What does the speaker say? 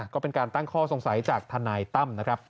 ก็เป็นการตั้งข้อสงสัยจากทนายตั้มนะครับ